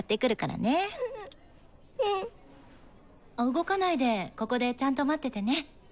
動かないでここでちゃんと待っててね。